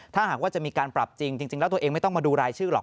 ถ้าหากว่าจะมีการปรับจริงจริงแล้วตัวเองไม่ต้องมาดูรายชื่อหรอก